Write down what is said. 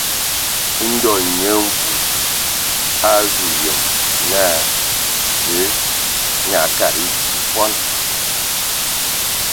Ndɔ Nyia Mvu a azu yem naa Zǝǝ ndzo e akad nye di bɔn.